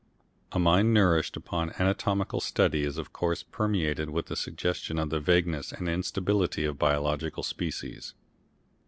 A mind nourished upon anatomical study is of course permeated with the suggestion of the vagueness and instability of biological species.